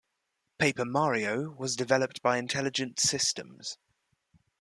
"Paper Mario" was developed by Intelligent Systems.